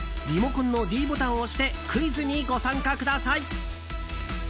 リモコンのｄボタンを押してクイズにご参加ください。